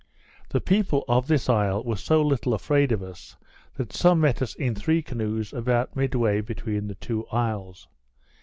The people of this isle were so little afraid of us, that some met us in three canoes about midway between the two isles.